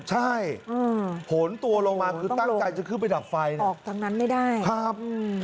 ใช่ผลตัวลงมาคือตั้งใจจะขึ้นไปดับไฟออกทางนั้นไม่ได้ครับ